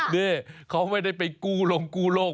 นี่เขาไม่ได้ไปกู้ลงกู้โลก